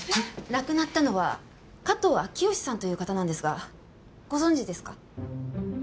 亡くなったのは加藤明義さんという方なんですがご存じですか？